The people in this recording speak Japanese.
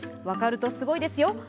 分かるとすごいですよ。